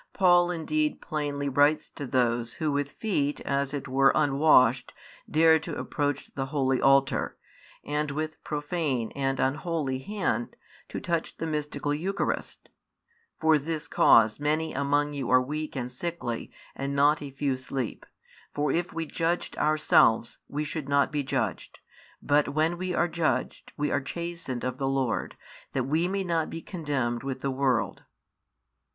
Paul indeed plainly writes to those who with feet as it were unwashed dared to approach the holy altar, and with profane and unholy hand to touch the mystical Eucharist: For this cause many among you are weak and sickly, and not a few sleep. For if we judged ourselves, we should not be judged. But when we are judged, we are chastened of the Lord, that we may not be condemned with the world.